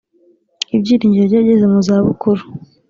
ibyiringiro by abageze mu za bukuru